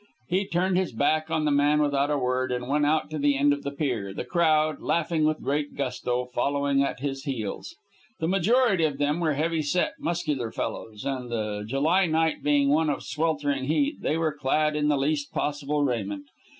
He turned his back on the man without a word, and went out to the end of the pier, the crowd, laughing with great gusto, following at his heels. The majority of them were heavy set, muscular fellows, and the July night being one of sweltering heat, they were clad in the least possible raiment.